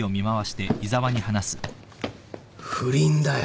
不倫だよ。